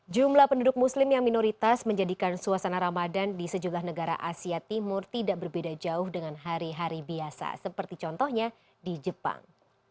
jumlah penduduk muslim yang minoritas menjadikan suasana ramadan di sejumlah negara asia timur tidak berbeda jauh dengan hari hari biasa seperti contohnya di jepang